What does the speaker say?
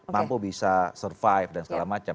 mampu bisa survive dan segala macam